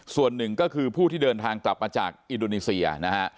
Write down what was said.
ส่วนหนึ่งก็คือผู้ที่เดินทางกลับมาจากอินโดนีเซียนะฮะ